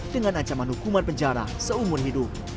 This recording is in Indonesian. dengan ancaman hukuman penjara seumur hidup